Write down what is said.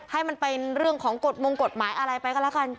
ให้มันเป็นเรื่องของกฎมงกฎหมายอะไรไปก็แล้วกัน